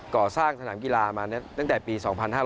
ก่อสร้างสนามกีฬามาตั้งแต่ปี๒๕๕๙